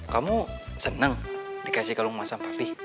kamu seneng dikasih kalung emas sama papi